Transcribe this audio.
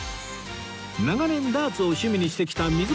長年ダーツを趣味にしてきた水森さん